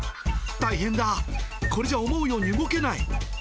大変だ、これじゃ思うように動けない。